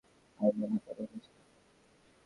যতক্ষণ সে জেলে ছিলো, আপনি আইনের হাতে বন্দী ছিলেন।